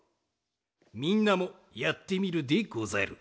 みんなもやってみるでござる！